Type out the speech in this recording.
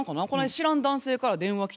知らん男性から電話き